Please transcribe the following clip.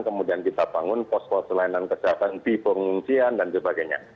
kemudian kita bangun pos pos pelayanan kesehatan di pengungsian dan sebagainya